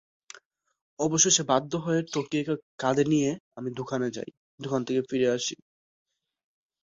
এরা কেউই ঢাকা বিশ্ববিদ্যালয়ের ছাত্র ছিলেন না।